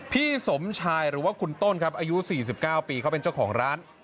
พี่สมชายหรือว่าคุณต้นครับอายุ๔๙ปีเขาเป็นเจ้าของร้าน